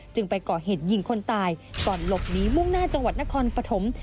ไปก่อเหตุยิงคนตายก่อนหลบหนีมุ่งหน้าจังหวัดนครปฐม